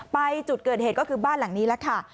ไปจุดเกิดเหตุก็คือบ้านหลังนี้แล้วค่ะ